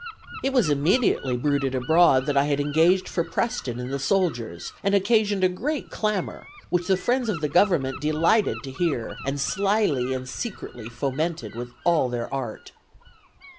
"It was immediately bruited abroad that I had engaged for Preston and the soldiers, and occasioned a great clamor, which the friends of the government delighted to hear, and slily and secretly fomented with all their art."